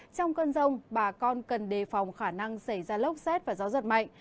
trong cơn rông bà con cần đề phòng khả năng xảy ra lốc xét và gió giật mạnh